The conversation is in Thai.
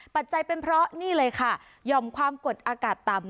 ปัจจัยเป็นเพราะนี่เลยค่ะหย่อมความกดอากาศต่ำ